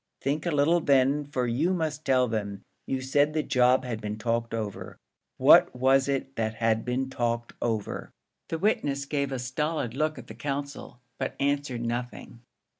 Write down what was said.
"Think a little then, for you must tell them; you said the job had been talked over; what was it that had been talked over?" The witness gave a stolid look at the counsel, but answered nothing.